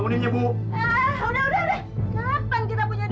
pantes aja bapak maman